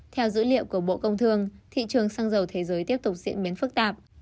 theo dữ liệu của bộ công thương thị trường xăng dầu thế giới tiếp tục diễn biến phức tạp